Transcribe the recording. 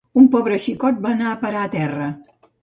Un pobre xicot va anar a parar a terra